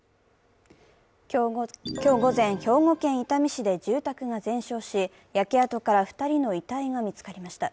今日午前、兵庫県伊丹市で住宅が全焼し、焼け跡から２人の遺体が見つかりました。